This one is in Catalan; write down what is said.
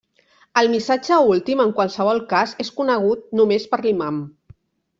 El missatge últim, en qualsevol cas, és conegut només per l'imam.